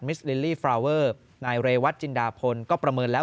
สลิลลี่ฟราเวอร์นายเรวัตจินดาพลก็ประเมินแล้ว